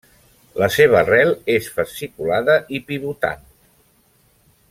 La seva rel és fasciculada i pivotant.